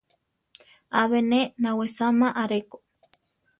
Abe ne nawesama areko.